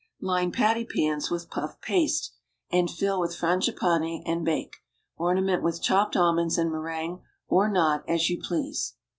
Line patty pans with puff paste, and fill with frangipané and bake. Ornament with chopped almonds and meringue, or not, as you please.